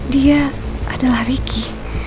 dia adalah ricky